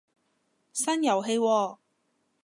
新遊戲喎